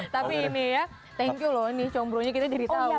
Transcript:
tapi ini ya thank you loh nih combro nya kita diberitahu deh